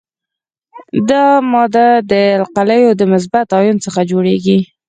دا ماده د القلیو د مثبت آیون څخه جوړیږي.